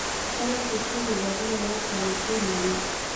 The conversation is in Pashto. کله چې څو هېوادونه یوه کرنسي مني.